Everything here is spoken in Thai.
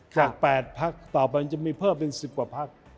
จาก๘พักต่อไปจะมีเพิ่มเป็น๑๐กว่าพัก